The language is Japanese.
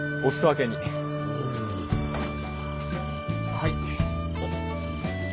はい。